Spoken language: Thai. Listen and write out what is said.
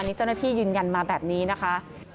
นี่เจ้าหน้าที่ยืนยันมาแบบนี้นะคะ